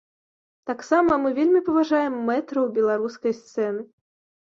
Таксама мы вельмі паважаем мэтраў беларускай сцэны.